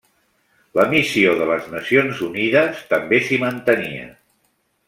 La missió de les Nacions Unides també s'hi mantenia.